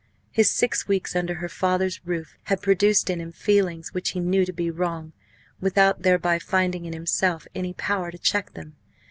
His six weeks under her father's roof had produced in him feelings which he knew to be wrong, without thereby finding in himself any power to check them.